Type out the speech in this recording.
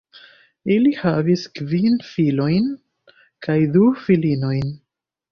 Ili havis kvin filojn kaj du filinojn.